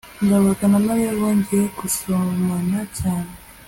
ndabaga na mariya bongeye gusomana cyane